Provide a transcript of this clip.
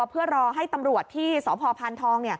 เพื่อรอให้ตำรวจที่สพพานทอง